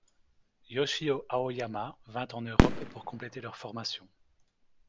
Yoshio Aoyama vint en Europe pour compléter leur formation.